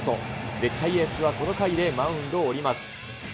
絶対エースはこの回でマウンドを降ります。